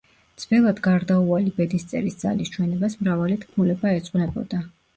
ძველად გარდაუვალი ბედისწერის ძალის ჩვენებას მრავალი თქმულება ეძღვნებოდა.